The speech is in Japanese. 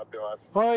はい。